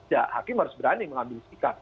ya hakim harus berani mengambil sikap